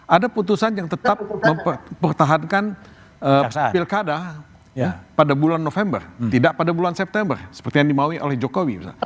ada putusan yang tetap mempertahankan pilkada pada bulan november tidak pada bulan september seperti yang dimaui oleh jokowi